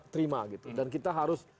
terima gitu dan kita harus